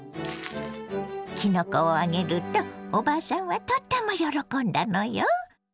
きのこをあげるとおばあさんはとっても喜んだのよ。